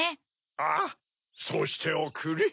ああそうしておくれ。